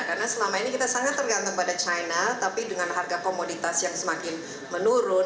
karena selama ini kita sangat tergantung pada china tapi dengan harga komoditas yang semakin menurun